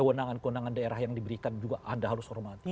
kewenangan kewenangan daerah yang diberikan juga anda harus hormati